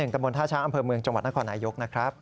ตมธาชาอำเภอเมืองจังหวัดนักขวานายกนะครับ